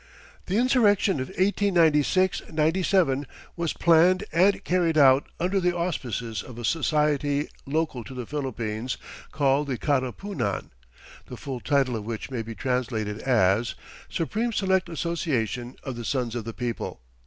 The insurrection of 1896 7 was planned and carried out under the auspices of a society local to the Philippines, called the "Katipunan," the full title of which may be translated as "Supreme Select Association of the Sons of the People."